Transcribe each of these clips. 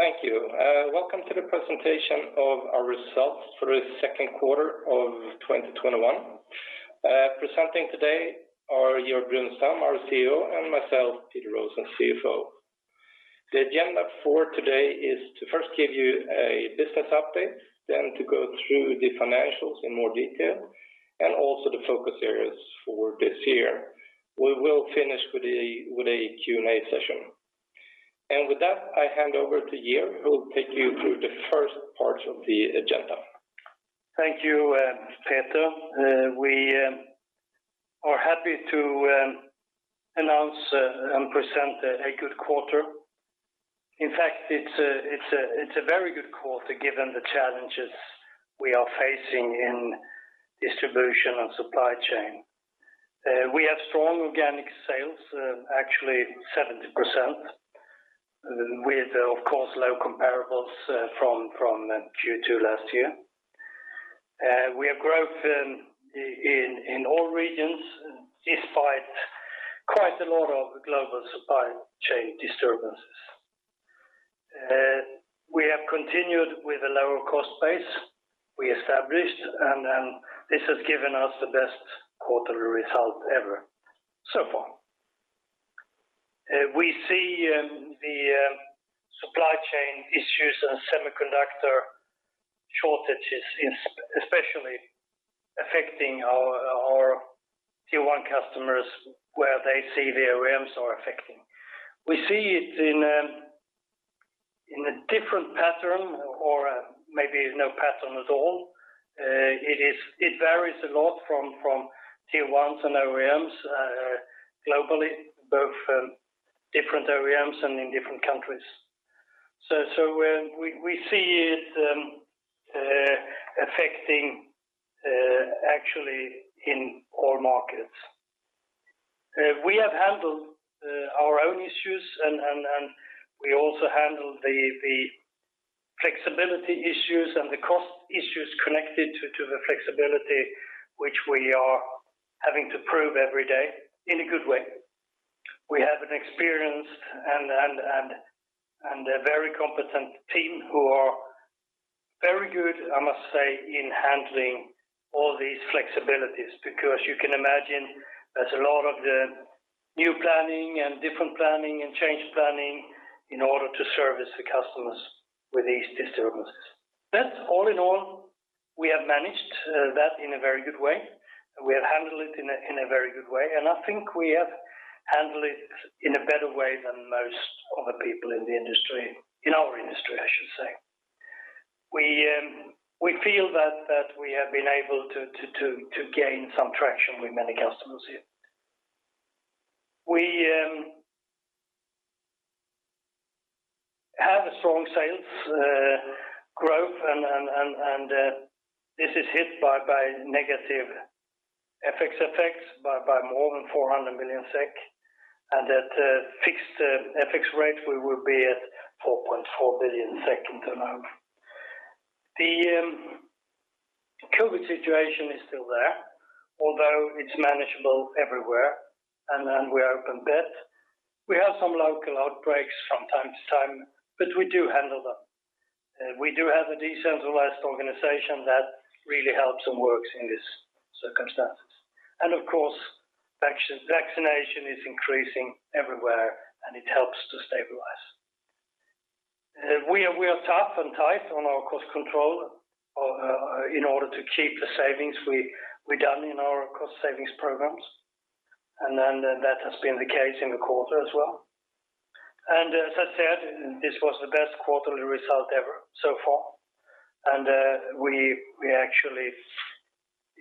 Thank you. Welcome to the presentation of our results for Q2 2021. Presenting today are Georg Brunstam, our CEO, and myself, Peter Rosén, CFO. The agenda for today is to first give you a business update, then to go through the financials in more detail and also the focus areas for this year. We will finish with a Q&A session. With that, I hand over to Georg, who will take you through the first part of the agenda. Thank you, Peter. We are happy to announce and present a good quarter. In fact, it's a very good quarter given the challenges we are facing in distribution and supply chain. We have strong organic sales, actually 70%, with, of course, low comparables from Q2 last year. We have growth in all regions despite quite a lot of global supply chain disturbances. We have continued with a lower cost base we established, and this has given us the best quarterly result ever so far. We see the supply chain issues and semiconductor shortages especially affecting our Tier 1 customers where they see the OEMs are affecting. We see it in a different pattern or maybe no pattern at all. It varies a lot from Tier 1s and OEMs globally, both different OEMs and in different countries. We see it affecting actually in all markets. We have handled our own issues, and we also handle the flexibility issues and the cost issues connected to the flexibility which we are having to prove every day in a good way. We have an experienced and a very competent team who are very good, I must say, in handling all these flexibilities because you can imagine there's a lot of the new planning and different planning and change planning in order to service the customers with these disturbances. That all in all, we have managed that in a very good way. We have handled it in a very good way, and I think we have handled it in a better way than most other people in the industry, in our industry, I should say. We feel that we have been able to gain some traction with many customers here. We have a strong sales growth and this is hit by negative FX effects by more than 400 million SEK, and at that fixed FX rate, we will be at 4.4 billion SEK. The COVID situation is still there, although it's manageable everywhere, and we are open, but. We have some local outbreaks from time to time, but we do handle them. We do have a decentralized organization that really helps and works in these circumstances. Of course, vaccination is increasing everywhere and it helps to stabilize. We are tough and tight on our cost control in order to keep the savings we done in our cost savings programs. That has been the case in the quarter as well. As I said, this was the best quarterly result ever so far. We actually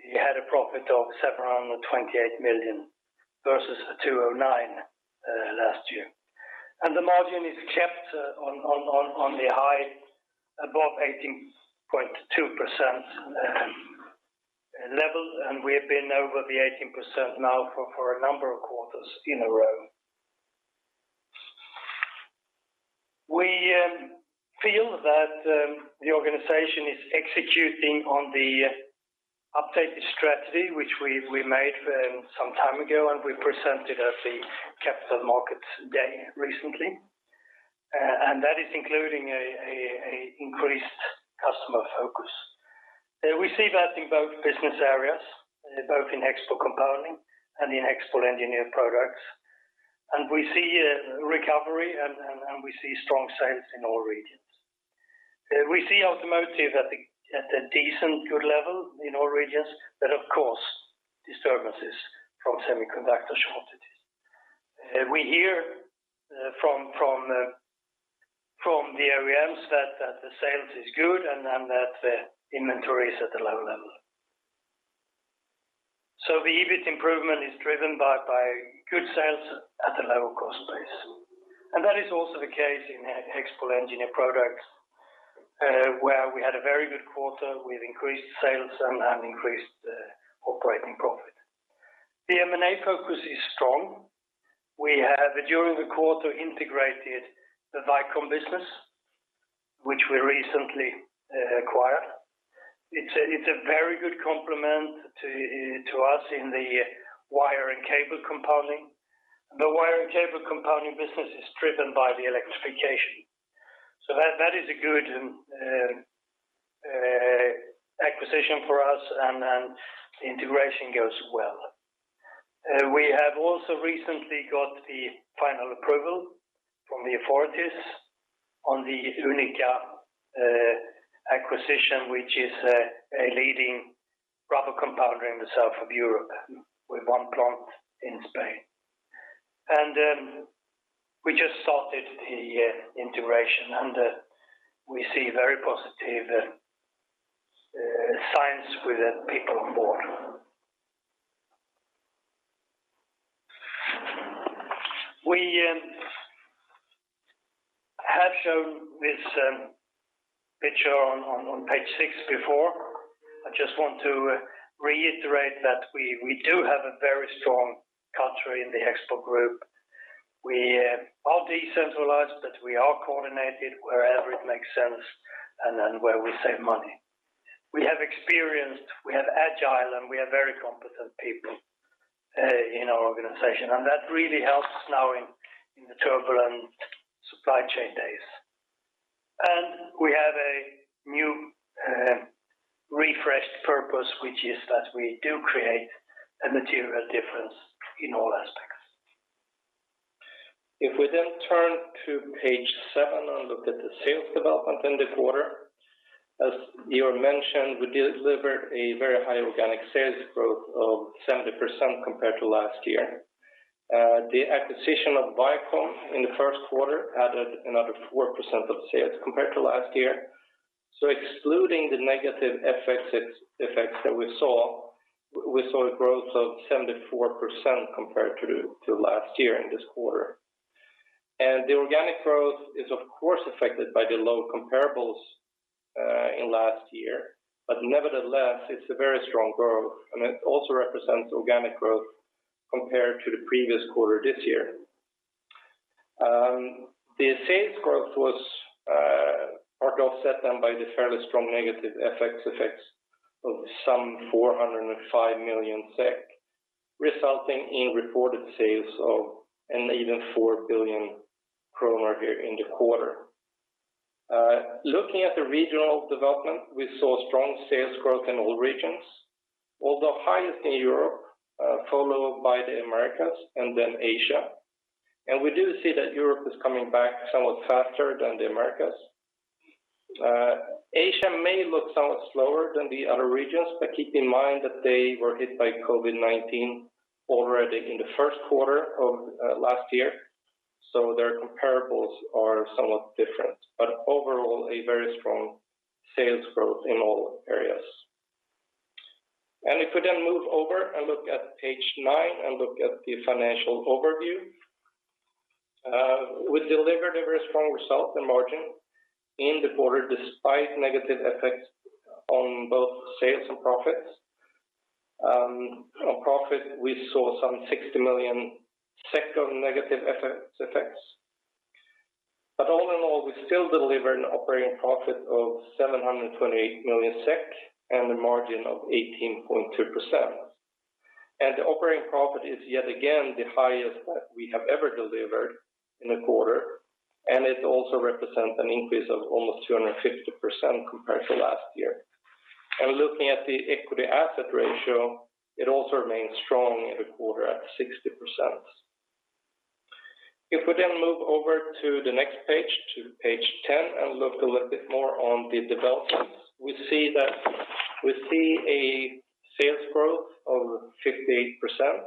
had a profit of around 28 million versus 209 million last year. The margin is kept on the high above 18.2% level. We have been over the 18% now for a number of quarters in a row. We feel that the organization is executing on the updated strategy, which we made some time ago, and we presented at the Capital Markets Day recently. That is including a increased customer focus. We see that in both business areas, both inHEXPOL Compounding and in HEXPOL Engineered Products. We see a recovery and we see strong sales in all regions. We see automotive at a decent good level in all regions, but of course, disturbances from semiconductor shortages. We hear from the OEMs that the sales is good and that the inventory is at a low level. The EBIT improvement is driven by good sales at a lower cost base. That is also the case in HEXPOL Engineered Products, where we had a very good quarter with increased sales and increased operating profit. The M&A focus is strong. We have, during the quarter, integrated the VICOM business, which we recently acquired. It's a very good complement to us in the wire and cable compounding. The wire and cable compounding business is driven by the electrification. That is a good acquisition for us and the integration goes well. We have also recently got the final approval from the authorities on the Unica acquisition, which is a leading rubber compounder in the south of Europe with one plant in Spain. We just started the integration, and we see very positive signs with the people on board. We have shown this picture on page 6 before. I just want to reiterate that we do have a very strong culture in the HEXPOL Group. We are decentralized, but we are coordinated wherever it makes sense and where we save money. We have experienced, we have agile, and we have very competent people in our organization, that really helps us now in the turbulent supply chain days. We have a new, refreshed purpose, which is that we do create a material difference in all aspects. If we turn to page seven and look at the sales development in the quarter, as Georg mentioned, we delivered a very high organic sales growth of 70% compared to last year. The acquisition of VICOM in the first quarter added another 4% of sales compared to last year. Excluding the negative FX effects that we saw, we saw a growth of 74% compared to last year in this quarter. The organic growth is, of course, affected by the low comparables in last year. Nevertheless, it's a very strong growth and it also represents organic growth compared to the previous quarter this year. The sales growth was part offset then by the fairly strong negative FX effects of some 405 million SEK, resulting in reported sales of an even 4 billion kronor here in the quarter. Looking at the regional development, we saw strong sales growth in all regions. Although highest in Europe, followed by the Americas and then Asia. We do see that Europe is coming back somewhat faster than the Americas. Asia may look somewhat slower than the other regions. Keep in mind that they were hit by COVID-19 already in the first quarter of last year. Their comparables are somewhat different. Overall, a very strong sales growth in all areas. If we move over and look at page 9 and look at the financial overview. We delivered a very strong result and margin in the quarter despite negative effects on both sales and profits. On profit, we saw some 60 million of negative FX effects. All in all, we still delivered an operating profit of 728 million SEK and a margin of 18.2%. The operating profit is yet again the highest that we have ever delivered in a quarter, and it also represents an increase of almost 250% compared to last year. Looking at the equity asset ratio, it also remains strong in the quarter at 60%. If we move over to the next page, to page 10, and look a little bit more on the developments. We see a sales growth of 58%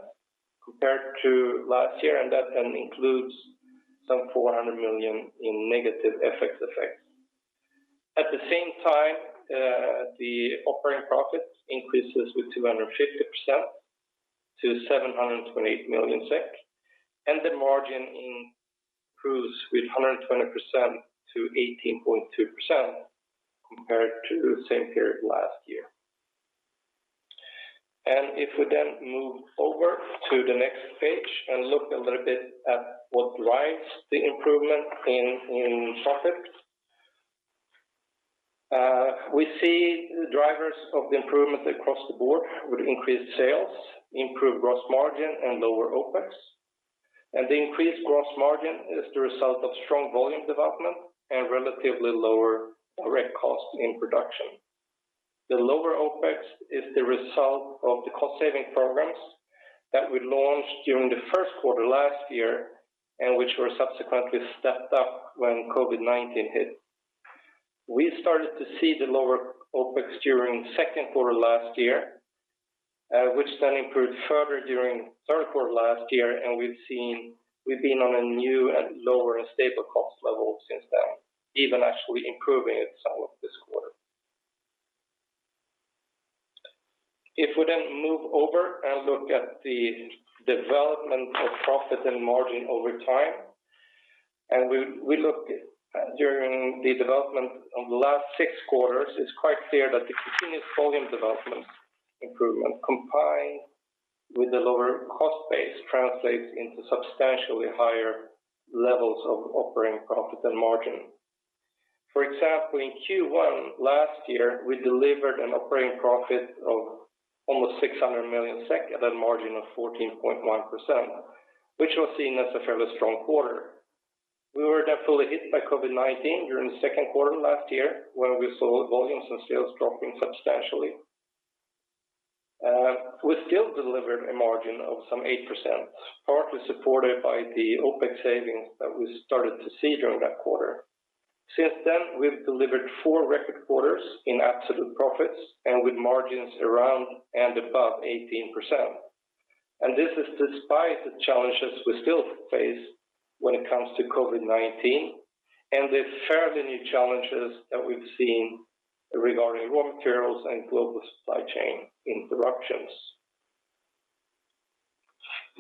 compared to last year, and that includes some 400 million in negative FX effects. At the same time, the operating profit increases with 250% to 728 million SEK, and the margin improves with 120% to 18.2% compared to the same period last year. If we move over to the next page and look a little bit at what drives the improvement in profit. We see the drivers of the improvement across the board with increased sales, improved gross margin, and lower OpEx. The increased gross margin is the result of strong volume development and relatively lower direct costs in production. The lower OpEx is the result of the cost-saving programs that we launched during the first quarter last year and which were subsequently stepped up when COVID-19 hit. We started to see the lower OpEx during the second quarter last year, which then improved further during the third quarter last year. We've been on a new and lower stable cost level since then, even actually improving it somewhat this quarter. If we then move over and look at the development of profit and margin over time. We look during the development of the last six quarters, it's quite clear that the continuous volume development improvement combined With the lower cost base translates into substantially higher levels of operating profit and margin. For example, in Q1 last year, we delivered an operating profit of almost 600 million SEK at a margin of 14.1%, which was seen as a fairly strong quarter. We were definitely hit by COVID-19 during the second quarter last year when we saw volumes and sales dropping substantially. We still delivered a margin of some 8%, partly supported by the OpEx savings that we started to see during that quarter. Since then, we've delivered four record quarters in absolute profits and with margins around and above 18%. This is despite the challenges we still face when it comes to COVID-19 and the fairly new challenges that we've seen regarding raw materials and global supply chain interruptions.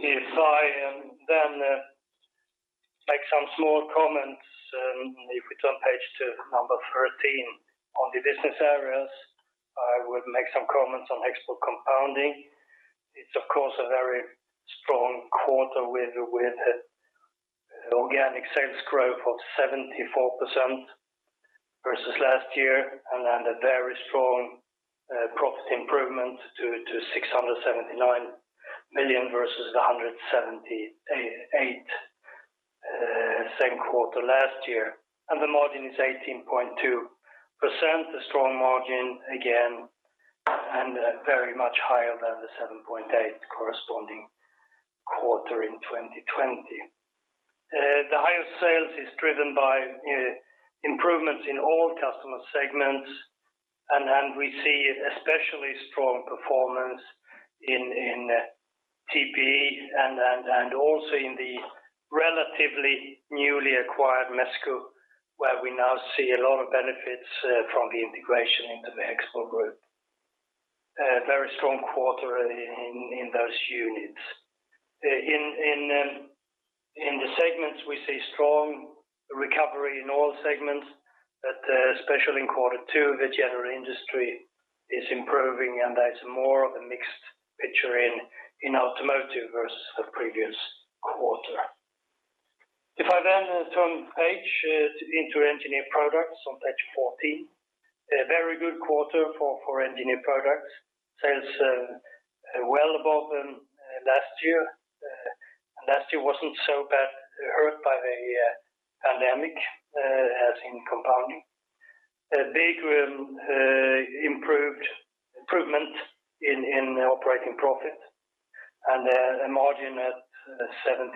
If I make some small comments, if we turn page to 13 on the business areas, I would make some comments on HEXPOL Compounding. It's of course a very strong quarter with organic sales growth of 74% versus last year, a very strong profit improvement to 679 million versus 178 million same quarter last year. The margin is 18.2%, a strong margin again, very much higher than the 7.8% corresponding quarter in 2020. The higher sales is driven by improvements in all customer segments, we see especially strong performance in TPE and also in the relatively newly acquired MESGO, where we now see a lot of benefits from the integration into the HEXPOL Group. A very strong quarter in those units. In the segments, we see strong recovery in all segments, but especially in quarter two, the general industry is improving, and that's more of a mixed picture in automotive versus the previous quarter. If I turn page into Engineered Products on page 14. A very good quarter for Engineered Products. Sales well above last year. Last year wasn't so bad, hurt by the pandemic as in Compounding. A big improvement in operating profit, and a margin at 17.6%.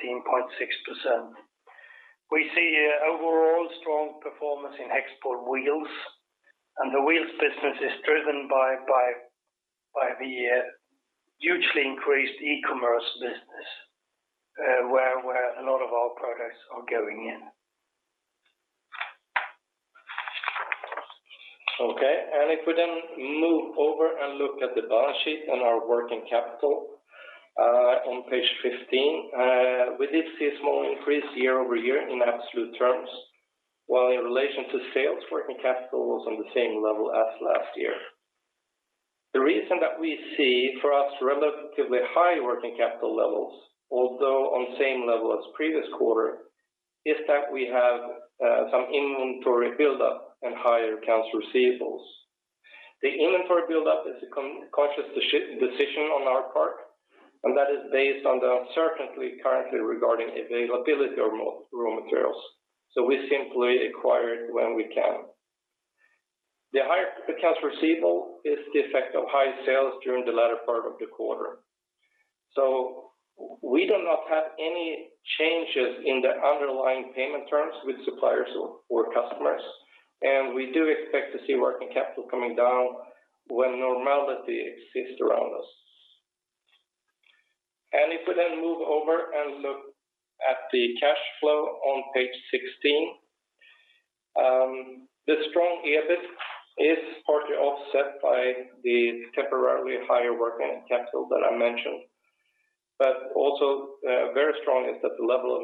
We see overall strong performance in HEXPOL Wheels, and the wheels business is driven by the hugely increased e-commerce business, where a lot of our products are going in. Okay, if we then move over and look at the balance sheet and our working capital on page 15. We did see a small increase year-over-year in absolute terms, while in relation to sales, working capital was on the same level as last year. The reason that we see for us relatively high working capital levels, although on same level as previous quarter, is that we have some inventory buildup and higher accounts receivables. The inventory buildup is a conscious decision on our part, that is based on the uncertainty currently regarding availability of raw materials. We simply acquire it when we can. The higher accounts receivable is the effect of high sales during the latter part of the quarter. We do not have any changes in the underlying payment terms with suppliers or customers. We do expect to see working capital coming down when normality exists around us. If we move over and look at the cash flow on page 16. The strong EBIT is partly offset by the temporarily higher working capital that I mentioned, but also very strong is that the level of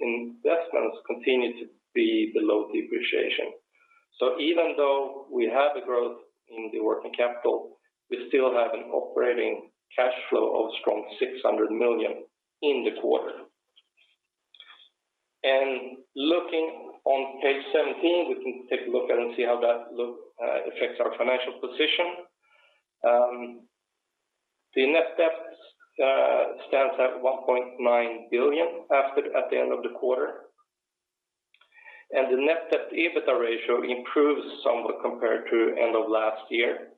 investments continue to be below depreciation. Even though we have a growth in the working capital, we still have an operating cash flow of strong 600 million in the quarter. Looking on page 17, we can take a look and see how that affects our financial position. The net debt stands at 1.9 billion at the end of the quarter, and the net debt to EBITDA ratio improves somewhat compared to end of last year.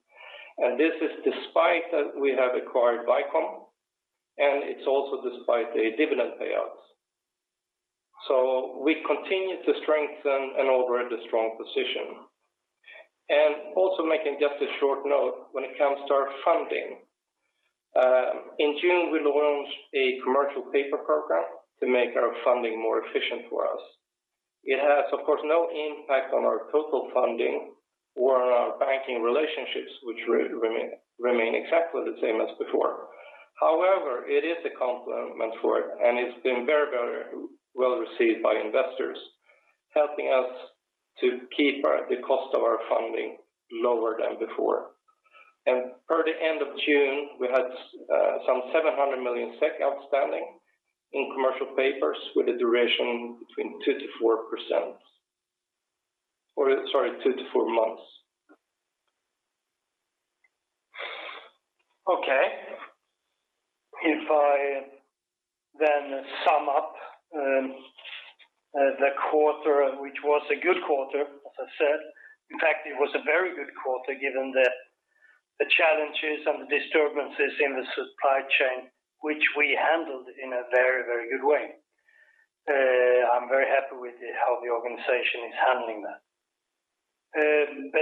This is despite that we have acquired VICOM, and it's also despite the dividend payouts. We continue to strengthen and hold the strong position. Also making just a short note when it comes to our funding. In June, we launched a commercial paper program to make our funding more efficient for us. It has, of course, no impact on our total funding or our banking relationships, which remain exactly the same as before. However, it is a complement for it, and it's been very well-received by investors. Helping us to keep the cost of our funding lower than before. For the end of June, we had some 700 million SEK outstanding in commercial papers with a duration between 2-4 months. Okay. If I then sum up the quarter, which was a good quarter, as I said. In fact, it was a very good quarter given the challenges and the disturbances in the supply chain, which we handled in a very good way. I'm very happy with how the organization is handling that.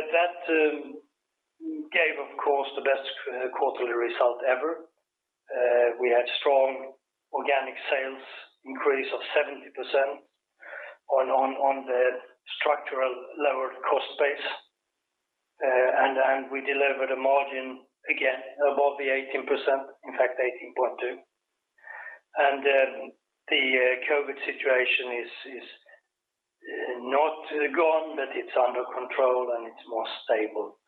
That gave, of course, the best quarterly result ever. We had strong organic sales increase of 70% on the structural lower cost base. We delivered a margin again above the 18%, in fact, 18.2%. The COVID-19 situation is not gone, but it's under control and it's more stable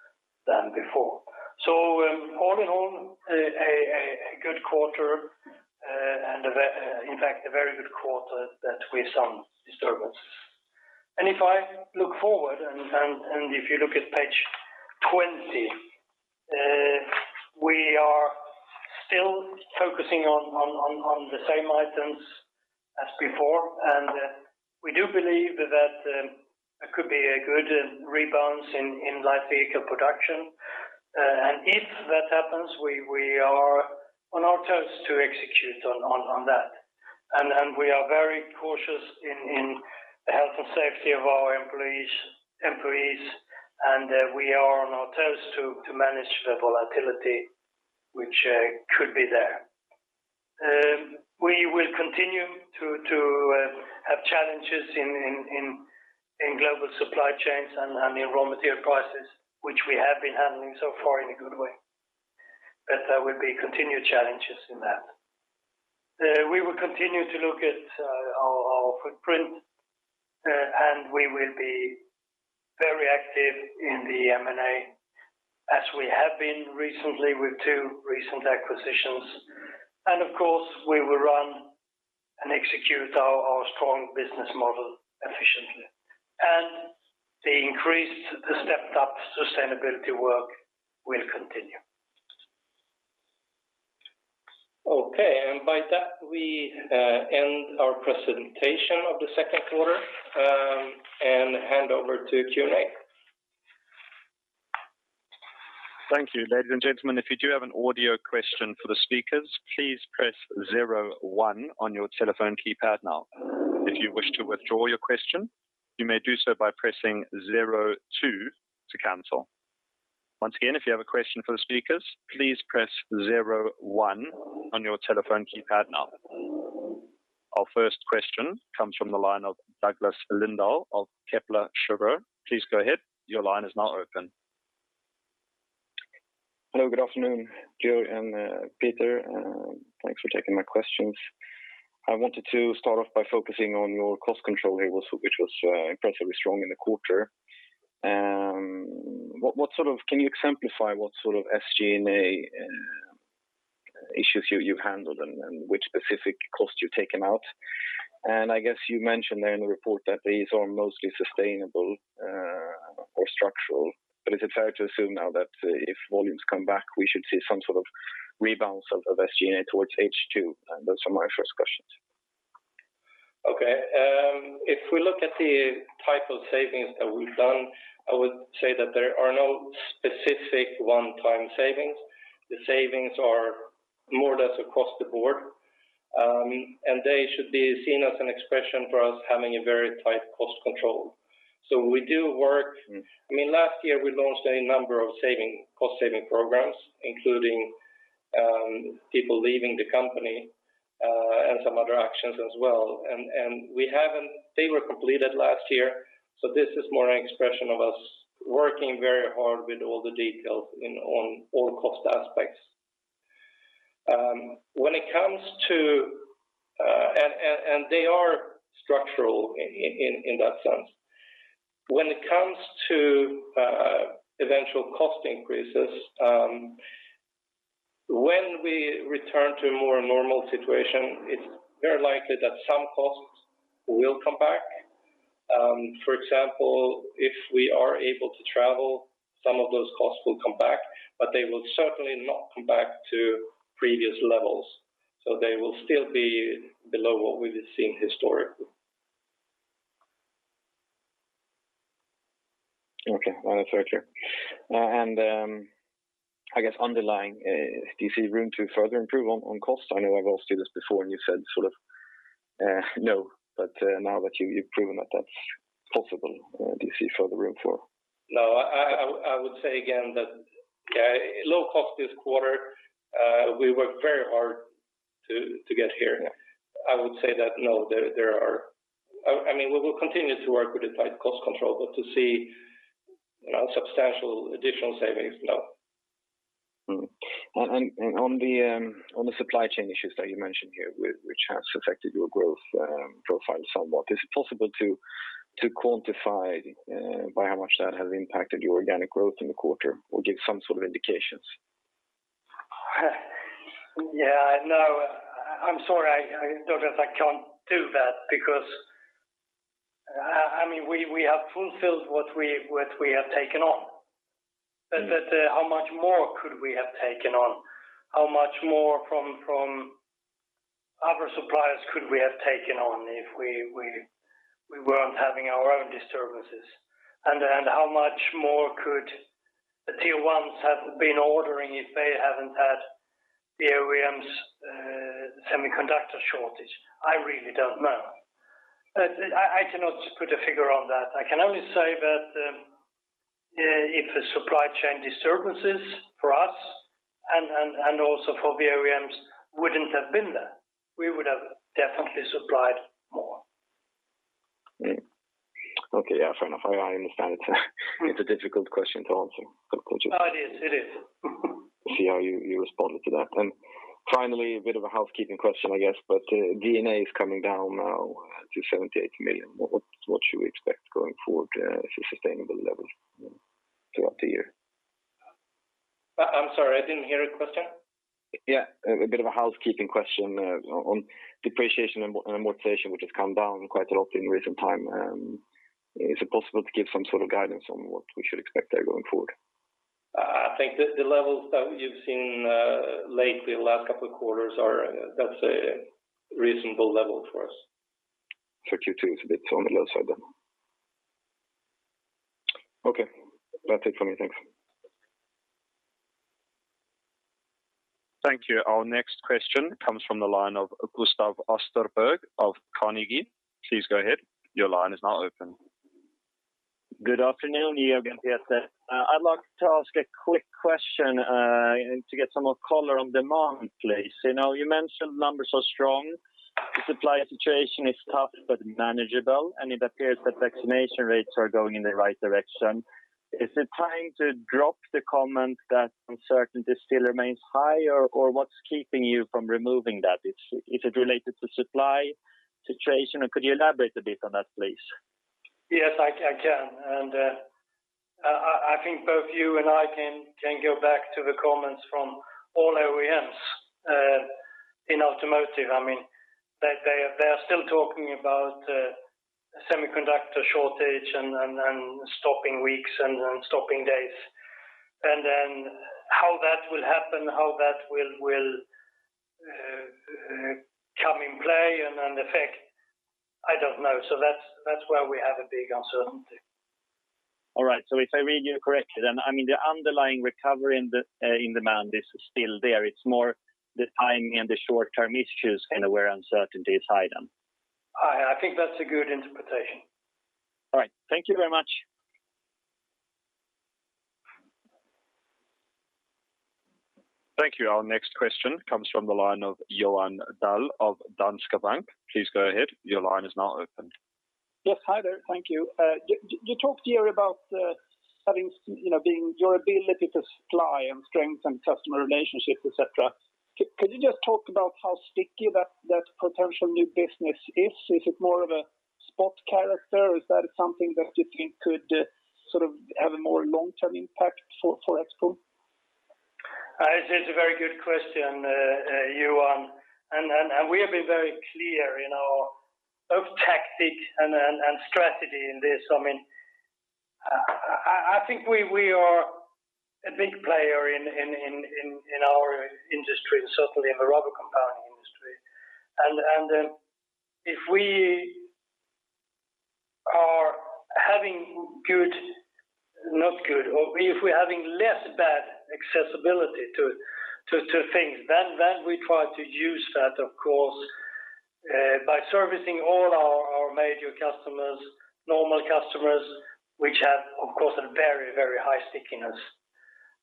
than before. All in all, a good quarter, and in fact a very good quarter with some disturbances. If I look forward, and if you look at page 20, we are still focusing on the same items as before, and we do believe that there could be a good rebalance in light vehicle production. If that happens, we are on our toes to execute on that. We are very cautious in the health and safety of our employees, and we are on our toes to manage the volatility which could be there. We will continue to have challenges in global supply chains and the raw material prices, which we have been handling so far in a good way. There will be continued challenges in that. We will continue to look at our footprint, and we will be very active in the M&A as we have been recently with two recent acquisitions. Of course, we will run and execute our strong business model efficiently. The increased, the stepped-up sustainability work will continue. Okay, by that we end our presentation of the second quarter, and hand over to Q&A. Thank you. Ladies and gentlemen, if you do have an audio question for the speakers, please press 01 on your telephone keypad now. If you wish to withdraw your question, you may do so by pressing 02 to cancel. Once again, if you have a question for the speakers, please press 01 on your telephone keypad now. Our first question comes from the line of Douglas Lindahl of Kepler Cheuvreux. Please go ahead. Your line is now open. Hello. Good afternoon, Georg and Peter. Thanks for taking my questions. I wanted to start off by focusing on your cost control here, which was impressively strong in the quarter. Can you exemplify what sort of SG&A issues you've handled and which specific costs you've taken out? I guess you mentioned there in the report that these are mostly sustainable or structural, but is it fair to assume now that if volumes come back, we should see some sort of rebalance of SG&A towards H2? Those are my first questions. Okay. If we look at the type of savings that we've done, I would say that there are no specific one-time savings. The savings are more or less across the board, and they should be seen as an expression for us having a very tight cost control. Last year, we launched a number of cost-saving programs, including people leaving the company, and some other actions as well. They were completed last year, so this is more an expression of us working very hard with all the details on all cost aspects. They are structural in that sense. When it comes to eventual cost increases, when we return to a more normal situation, it's very likely that some costs will come back. For example, if we are able to travel, some of those costs will come back, but they will certainly not come back to previous levels. They will still be below what we've seen historically. Okay. No, that's very clear. I guess underlying, do you see room to further improve on cost? I know I've asked you this before and you said sort of no, but now that you've proven that that's possible, do you see further room for? No, I would say again that low cost this quarter, we worked very hard to get here. I would say that no, We will continue to work with a tight cost control, but to see substantial additional savings now. On the supply chain issues that you mentioned here, which has affected your growth profile somewhat, is it possible to quantify by how much that has impacted your organic growth in the quarter or give some sort of indications? Yeah, no. I'm sorry, Douglas, I can't do that because we have fulfilled what we have taken on. How much more could we have taken on? How much more from other suppliers could we have taken on if we weren't having our own disturbances? How much more could the Tier 1s have been ordering if they haven't had the OEMs semiconductor shortage? I really don't know. I cannot put a figure on that. I can only say that if the supply chain disturbances for us and also for the OEMs wouldn't have been there, we would have definitely supplied more. Okay. Yeah, fair enough. I understand it's a difficult question to answer. It is. See how you responded to that. Finally, a bit of a housekeeping question, I guess, but D&A is coming down now to 78 million. What should we expect going forward as a sustainable level throughout the year? I'm sorry, I didn't hear the question. A bit of a housekeeping question on depreciation and amortization, which has come down quite a lot in recent time. Is it possible to give some sort of guidance on what we should expect there going forward? I think the levels that you've seen lately, the last couple of quarters, that's a reasonable level for us. For Q2, it's a bit on the low side then. Okay, that's it for me. Thanks. Thank you. Our next question comes from the line of Gustav Österberg of Carnegie. Please go ahead. Good afternoon, Georg and Peter. I'd like to ask a quick question to get some more color on demand, please. You mentioned numbers are strong, the supply situation is tough but manageable, and it appears that vaccination rates are going in the right direction. Is it time to drop the comment that uncertainty still remains high, or what's keeping you from removing that? Is it related to supply situation? Could you elaborate a bit on that, please? Yes, I can. I think both you and I can go back to the comments from all OEMs in automotive. They are still talking about semiconductor shortage and stopping weeks and stopping days. How that will happen, how that will come in play and affect, I don't know. That's where we have a big uncertainty. All right. If I read you correctly then, the underlying recovery in demand is still there. It's more the timing and the short-term issues where uncertainty is high then. I think that's a good interpretation. All right. Thank you very much. Thank you. Our next question comes from the line of Johan Dahl of Danske Bank. Please go ahead. Your line is now open. Yes. Hi there. Thank you. You talked here about your ability to supply and strengthen customer relationships, et cetera. Could you just talk about how sticky that potential new business is? Is it more of a spot character, or is that something that you think could sort of have a more long-term impact for HEXPOL? It is a very good question, Johan, and we have been very clear in our both tactic and strategy in this. I think we are a big player in our industry and certainly in the rubber compounding industry. If we are having less bad accessibility to things, then we try to use that, of course, by servicing all our major customers, normal customers, which have, of course, a very high stickiness.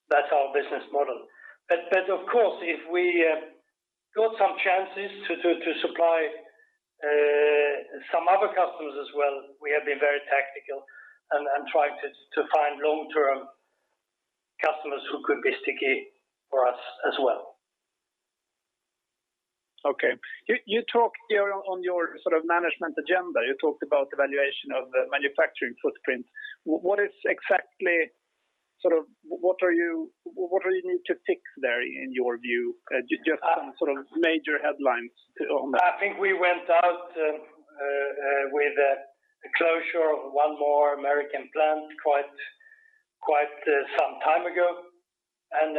That's our business model. Of course, if we got some chances to supply some other customers as well, we have been very tactical and trying to find long-term customers who could be sticky for us as well. Okay. You talked here on your sort of management agenda, you talked about evaluation of the manufacturing footprint. What are you needing to fix there, in your view? Just some sort of major headlines on that. I think we went out with a closure of one more American plant quite some time ago, and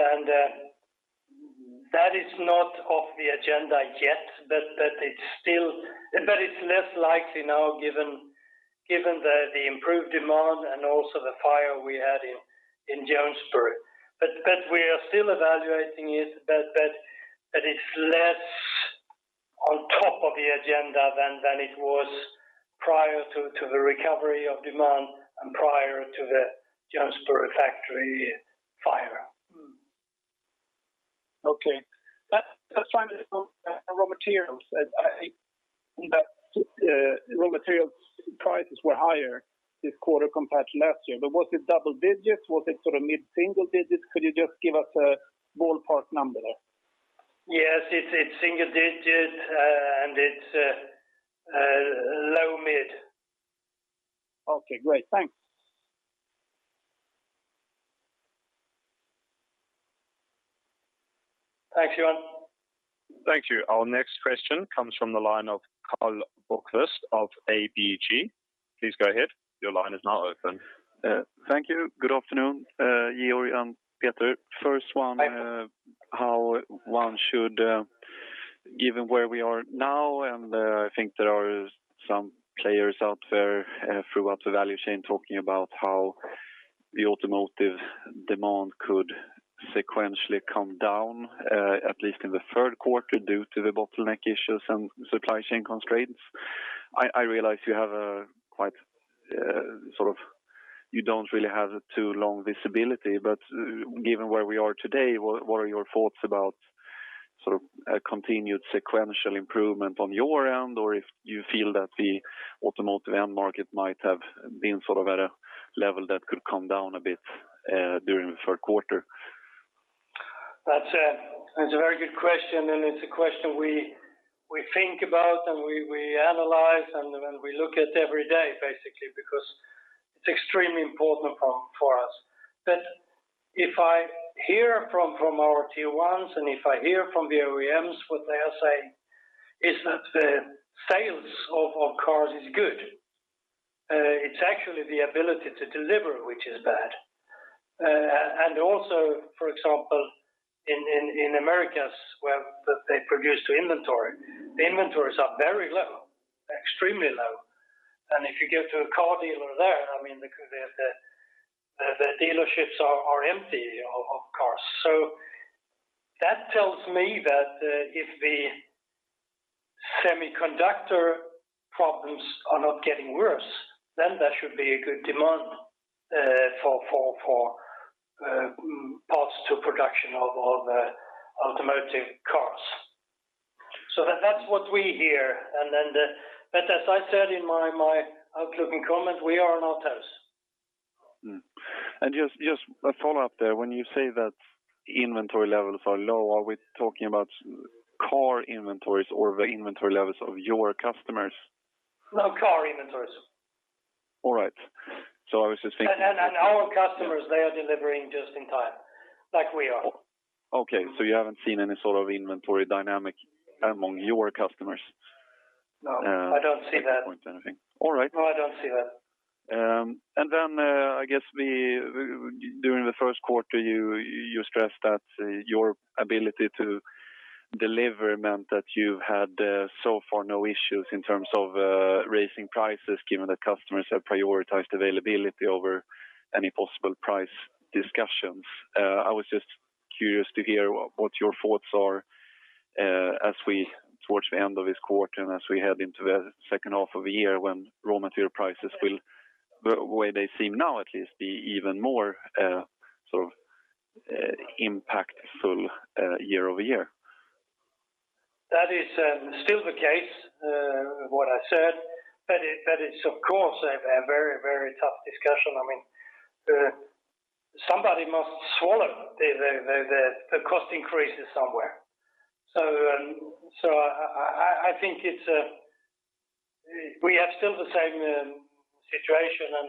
that is not off the agenda yet, but it's less likely now given the improved demand and also the fire we had in Jonesborough. We are still evaluating it, but it's less on top of the agenda than it was prior to the recovery of demand and prior to the Jonesborough factory fire. Okay. Let's try the raw materials. The raw materials prices were higher this quarter compared to last year, but was it double digits? Was it mid-single digits? Could you just give us a ballpark number there? Yes, it's single digit, and it's low mid. Okay, great. Thanks. Thanks, Johan. Thank you. Our next question comes from the line of Karl Bokvist of ABG. Please go ahead. Your line is now open. Thank you. Good afternoon, Georg and Peter. Hi how one should, given where we are now, and I think there are some players out there throughout the value chain talking about how the automotive demand could sequentially come down at least in the third quarter due to the bottleneck issues and supply chain constraints. I realize you don't really have too long visibility, but given where we are today, what are your thoughts about a continued sequential improvement on your end, or if you feel that the automotive end market might have been at a level that could come down a bit during the third quarter? That's a very good question, and it's a question we think about and we analyze and we look at every day, basically, because it's extremely important for us. If I hear from our Tier 1s, and if I hear from the OEMs, what they are saying is that the sales of cars is good. It's actually the ability to deliver which is bad. Also, for example, in Americas, where they produce to inventory, the inventories are very low, extremely low. If you go to a car dealer there, the dealerships are empty of cars. That tells me that if the semiconductor problems are not getting worse, then there should be a good demand for parts to production of automotive cars. That's what we hear. As I said in my outlook and comment, we are an autos. Just a follow-up there. When you say that inventory levels are low, are we talking about car inventories or the inventory levels of your customers? No, car inventories. All right. Our customers, they are delivering just in time, like we are. Okay. You haven't seen any sort of inventory dynamic among your customers? No, I don't see that. At this point, anything. All right. No, I don't see that. I guess during the first quarter, you stressed that your ability to deliver meant that you had so far no issues in terms of raising prices, given that customers have prioritized availability over any possible price discussions. I was just curious to hear what your thoughts are as we towards the end of this quarter and as we head into the second half of the year when raw material prices will, the way they seem now at least, be even more impactful year-over-year. That is still the case, what I said, but it's of course a very tough discussion. Somebody must swallow the cost increases somewhere. I think we have still the same situation, and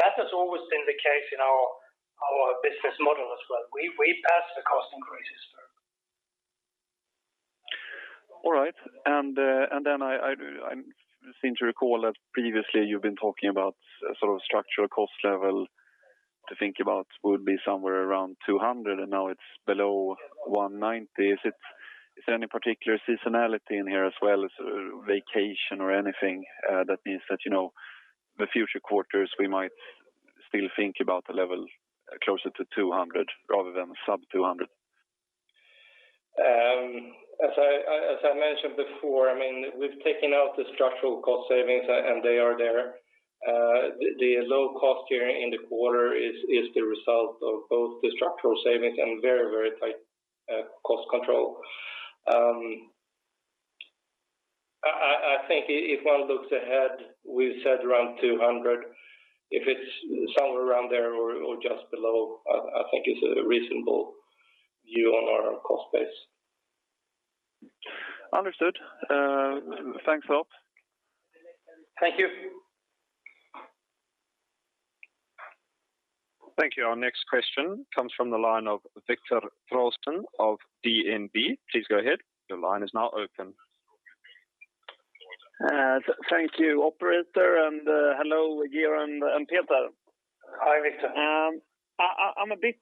that has always been the case in our business model as well. We pass the cost increases through. All right. I seem to recall that previously you've been talking about structural cost level to think about would be somewhere around 200, and now it's below 190. Is there any particular seasonality in here as well as a vacation or anything that means that the future quarters we might still think about the level closer to 200 rather than sub 200? As I mentioned before, we've taken out the structural cost savings, and they are there. The low cost here in the quarter is the result of both the structural savings and very tight cost control. I think if one looks ahead, we said around 200. If it's somewhere around there or just below, I think it's a reasonable view on our cost base. Understood. Thanks a lot. Thank you. Thank you. Our next question comes from the line of Viktor Trollsten of DNB. Please go ahead. Your line is now open. Thank you, operator. Hello, Georg and Peter. Hi, Viktor. I'm a bit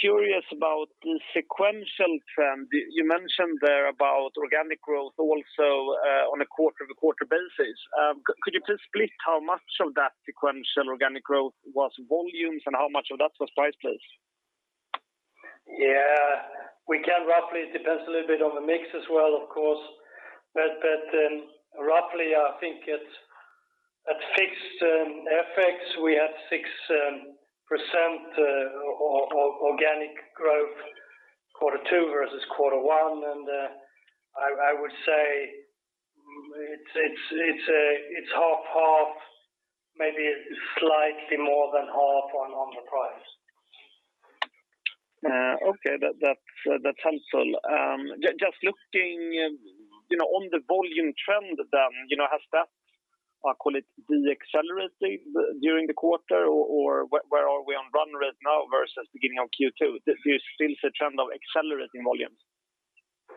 curious about the sequential trend. You mentioned there about organic growth also on a quarter-over-quarter basis. Could you please split how much of that sequential organic growth was volumes and how much of that was price? Yeah. We can roughly, it depends a little bit on the mix as well, of course. Roughly, I think it's at fixed FX, we had 6% of organic growth quarter two versus quarter one. I would say it's half-half, maybe slightly more than half on the price. Okay. That's helpful. Just looking on the volume trend, has that, I call it, de-accelerated during the quarter, or where are we on run rate now versus beginning of Q2? There's still the trend of accelerating volumes.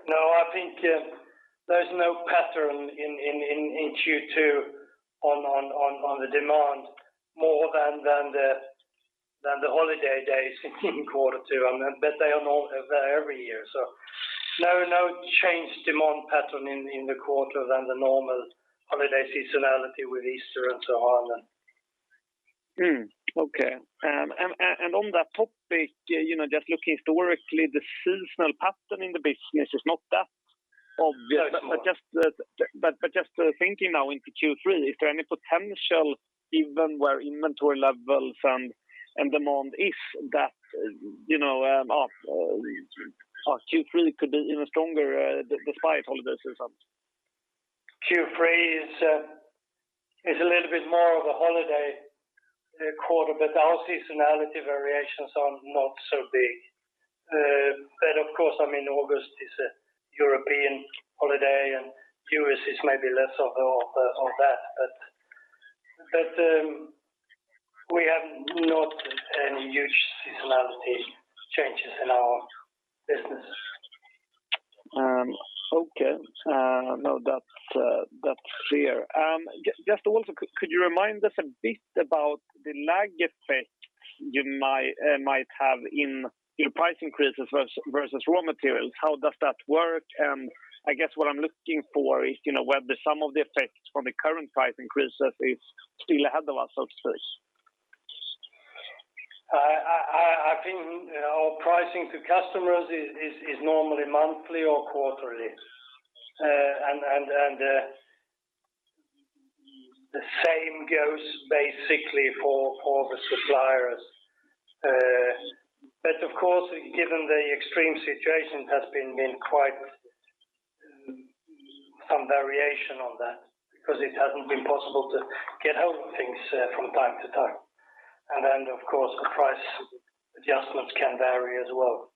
No, I think there's no pattern in Q2 on the demand more than the holiday days in quarter two. They are not there every year. No changed demand pattern in the quarter than the normal holiday seasonality with Easter and so on then. Okay. On that topic, just looking historically, the seasonal pattern in the business is not that obvious. Yes. Just thinking now into Q3, is there any potential, given where inventory levels and demand is that Q3 could be even stronger despite holidays or something? Q3 is a little bit more of a holiday quarter. Our seasonality variations are not so big. Of course, August is a European holiday, and U.S. is maybe less of that. We have not any huge seasonality changes in our business. No, that's clear. Just also, could you remind us a bit about the lag effect you might have in price increases versus raw materials? How does that work? I guess what I'm looking for is whether the sum of the effects from the current price increases is still ahead of us, so to say. I think our pricing to customers is normally monthly or quarterly. The same goes basically for the suppliers. Of course, given the extreme situation has been quite some variation on that because it hasn't been possible to get hold of things from time to time. Of course, the price adjustments can vary as well.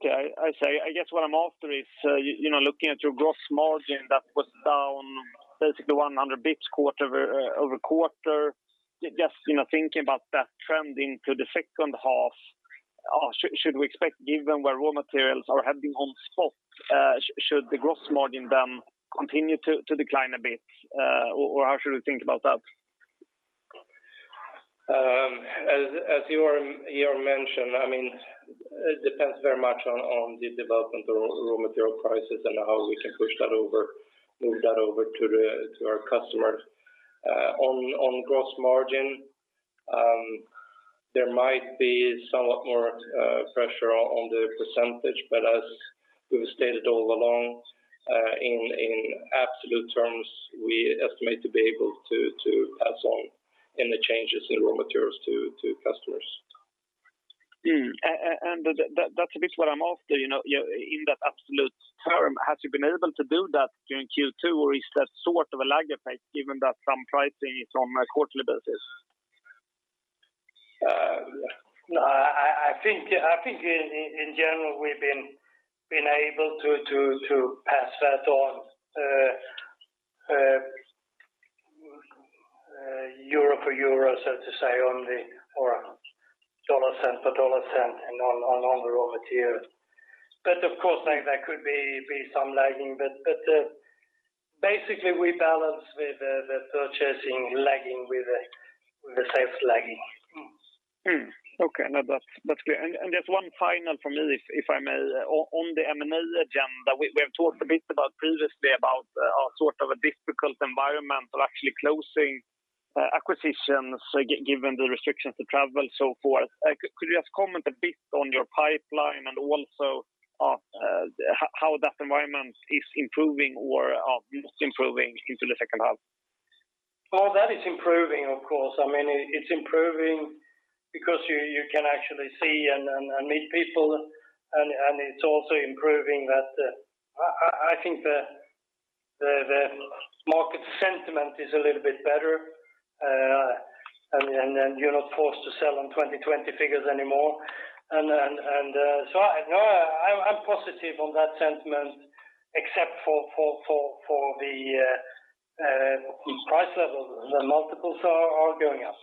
Okay. I guess what I'm after is, looking at your gross margin that was down basically 100 basis points quarter-over-quarter, just thinking about that trend into the second half, should we expect, given where raw materials are heading on spot, should the gross margin then continue to decline a bit? How should we think about that? As Georg mentioned, it depends very much on the development of raw material prices and how we can move that over to our customers. On gross margin, there might be somewhat more pressure on the percentage, but as we've stated all along, in absolute terms, we estimate to be able to pass on any changes in raw materials to customers. That's a bit what I'm after. In that absolute term, have you been able to do that during Q2, or is there sort of a lag effect given that some pricing is on a quarterly basis? I think in general, we've been able to pass that on euro for euro, so to say, or dollar cent for dollar cent and on the raw material. Of course, there could be some lagging. Basically, we balance the purchasing lagging with the sales lagging. Okay. No, that's clear. Just one final from me, if I may. On the M&A agenda, we have talked a bit previously about a sort of a difficult environment of actually closing acquisitions given the restrictions to travel so forth. Could you just comment a bit on your pipeline and also how that environment is improving or not improving into the second half? Well, that is improving, of course. It's improving because you can actually see and meet people, and it's also improving that I think the market sentiment is a little bit better, and you're not forced to sell on 2020 figures anymore. I'm positive on that sentiment except for the price level. The multiples are going up.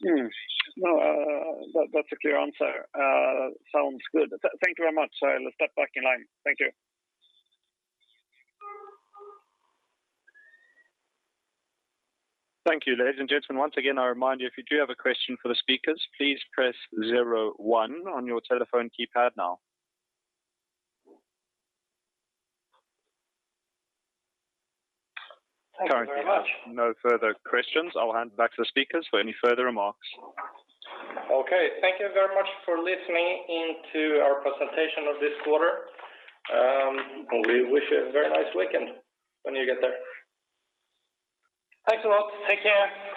No, that's a clear answer. Sounds good. Thank you very much. I'll step back in line. Thank you. Thank you. Ladies and gentlemen, once again, I remind you, if you do have a question for the speakers, please press 01 on your telephone keypad now. Thank you very much. Currently, there's no further questions. I'll hand back to the speakers for any further remarks. Okay. Thank you very much for listening into our presentation of this quarter. We wish you a very nice weekend when you get there. Thanks a lot. Take care.